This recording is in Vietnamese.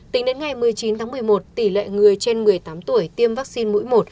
tính đến ngày một mươi chín tháng một mươi một tỷ lệ người trên một mươi tám tuổi tiêm vaccine mũi một